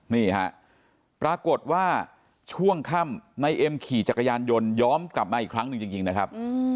นี่ฮะปรากฏว่าช่วงค่ำนายเอ็มขี่จักรยานยนต์ย้อนกลับมาอีกครั้งหนึ่งจริงนะครับ